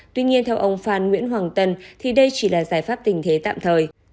tuy nhiên theo ông phan nguyễn hoàng tân thì đây chỉ là giải pháp tình thế tạm thời